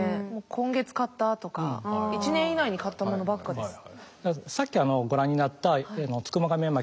今月買ったとか１年以内に買ったものばっかです。